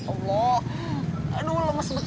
aduh lemes banget